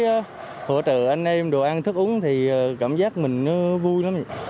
với hỗ trợ anh em đồ ăn thức uống thì cảm giác mình vui lắm